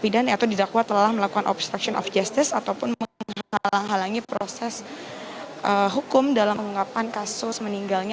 pidana yaitu didakwa telah melakukan obstruction of justice ataupun menghalangi proses hukum dalam mengunggapan kasus meninggalnya